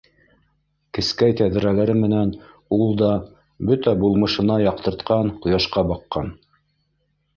Кескәй тәҙрәләре менән ул да бөтә булмышына яҡтыртҡан ҡояшҡа баҡҡан.